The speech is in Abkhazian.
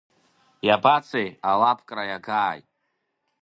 Иабацеи, алаапкра иагааит.